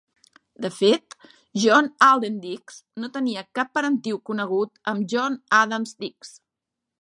De fet, John Alden Dix no tenia cap parentiu conegut amb John Adams Dix.